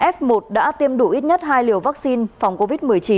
f một đã tiêm đủ ít nhất hai liều vaccine phòng covid một mươi chín